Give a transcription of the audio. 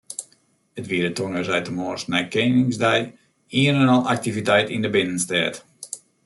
It wie de tongersdeitemoarns nei Keningsdei ien en al aktiviteit yn de binnenstêd.